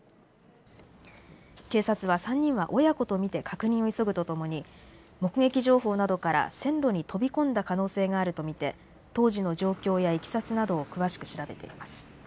警察は３人は親子と見て確認を急ぐとともに目撃情報などから線路に飛び込んだ可能性があると見て当時の状況やいきさつなどを詳しく調べています。